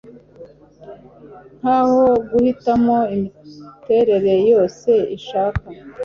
Nkaho guhitamo imiterere yose ishaka